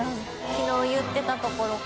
きのう言ってたところか。